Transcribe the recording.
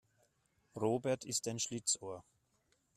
Robert ist ein Schlitzohr.